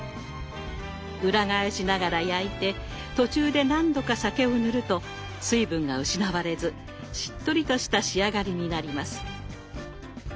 裏返しながら焼いて途中で何度か酒を塗ると水分が失われずしっとりとした仕上がりになります。